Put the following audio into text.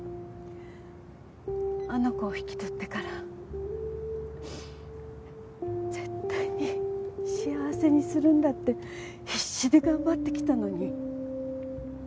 あの子を引き取ってから絶対に幸せにするんだって必死で頑張ってきたのに。